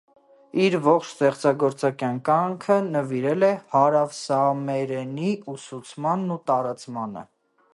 Իր ողջ ստեղծագործական կյանքը նվիրել է հարավսաամերենի ուսուցմանն ու տարածմանը։